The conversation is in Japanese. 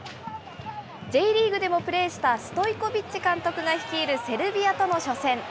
Ｊリーグでもプレーしたストイコビッチ監督が率いるセルビアとの初戦。